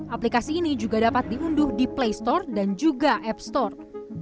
aplikasi ini juga dapat diunduh di play store dan juga app store